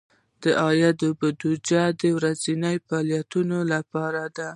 عادي بودیجه د ورځنیو فعالیتونو لپاره ده.